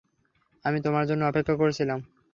আমি তোমার জন্য অপেক্ষা করছিলাম।